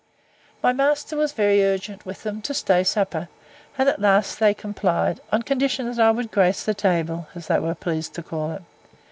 My master was very urgent with them to stay supper; and at last they complied, on condition that I would grace the table, as they were pleased to call it.